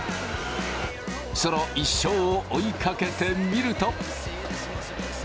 その一生を追いかけてみると。